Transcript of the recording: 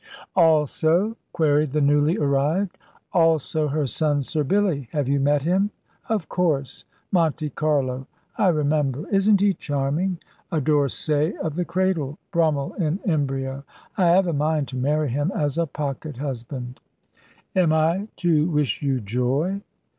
"Also?" queried the newly arrived. "Also her son, Sir Billy. Have you met him? Of course! Monte Carlo! I remember. Isn't he charming a D'Orsay of the cradle, Brummel in embryo? I have a mind to marry him, as a pocket husband." "Am I to wish you joy?"